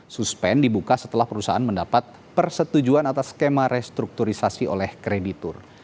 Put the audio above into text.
suspen dibuka setelah perusahaan mendapat persetujuan atas skema restrukturisasi oleh kreditur